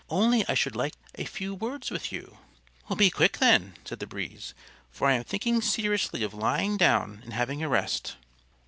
"Only I should like a few words with you." "Be quick then," said the Breeze, "for I am thinking seriously of lying down and having a rest."